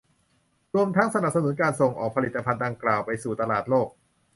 รวมทั้งสนับสนุนการส่งออกผลิตภัณฑ์ดังกล่าวไปสู่ตลาดโลก